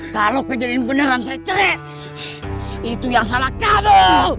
kalau kejadian beneran saya cerai itu yang salah kamu